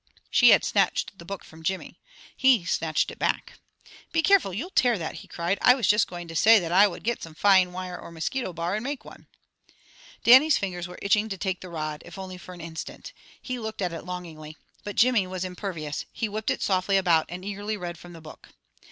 She had snatched the book from Jimmy. He snatched it back. "Be careful, you'll tear that!" he cried. "I was just going to say that I would get some fine wire or mosquito bar and make one." Dannie's fingers were itching to take the rod, if only for an instant. He looked at it longingly. But Jimmy was impervious. He whipped it softly about and eagerly read from the book.